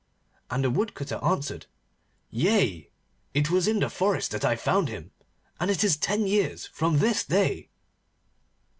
And the Woodcutter answered, 'Yea, it was in the forest that I found him, and it is ten years from this day.